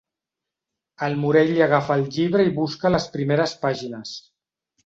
El Morell li agafa el llibre i busca a les primeres pàgines.